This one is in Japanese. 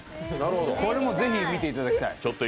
これも是非、見ていただきたい。